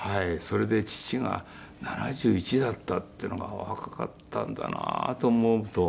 それで父が７１だったっていうのが若かったんだなと思うと。